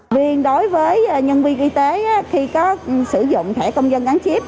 riêng đối với nhân viên y tế khi có sử dụng thẻ công dân gắn chip